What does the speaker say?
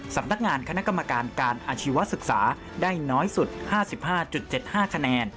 สำนักงานคณะกรรมการการอาชีวศึกษาได้น้อยสุด๕๕๗๕คะแนน